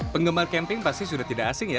penggemar camping pasti sudah tidak asing ya